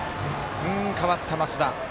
代わった増田。